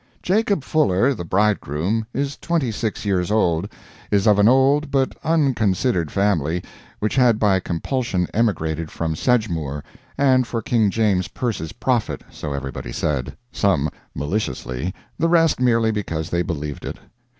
Jacob Fuller, the bridegroom, is twenty six years old, is of an old but unconsidered family which had by compulsion emigrated from Sedgemoor, and for King James's purse's profit, so everybody said some maliciously the rest merely because they believed it.